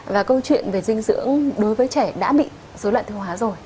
và câu chuyện về dinh dưỡng đối với trẻ đã bị dối loạn tiêu hóa rồi